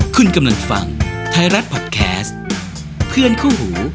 คุณกำลังฟังไทยรัฐพอดแคสต์เพื่อนคู่หู